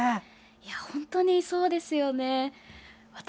本当にそうですよね。